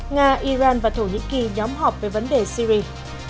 nga iran và thổ nhĩ kỳ nhóm họp về vấn đề syri